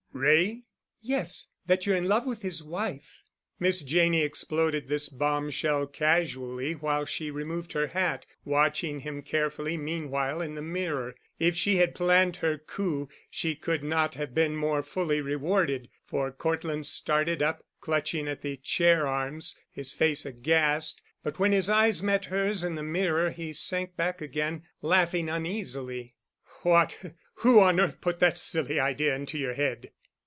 "Wray?" "Yes—that you're in love with his wife." Miss Janney exploded this bombshell casually while she removed her hat, watching him carefully meanwhile in the mirror. If she had planned her coup, she could not have been more fully rewarded, for Cortland started up, clutching at the chair arms, his face aghast; but when his eyes met hers in the mirror he sank back again, laughing uneasily. "What—who on earth put that silly idea into your head?"